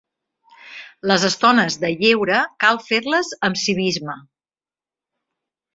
Les estones de lleure cal fer-les amb civisme.